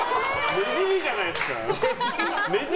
ねじりじゃないですか。